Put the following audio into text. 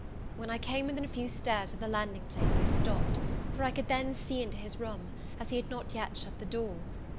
When I came within a few stairs of the landing place I stopped; for I could then see into his room, as he had not yet shut the door.